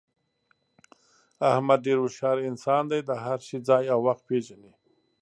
احمد ډېر هوښیار انسان دی، د هر شي ځای او وخت پېژني.